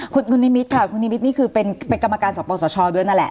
คุณคุณนิมิตค่ะคุณนิมิตนี่คือเป็นเป็นกรรมการส่องประวัติศาสตร์ชอบด้วยนั่นแหละ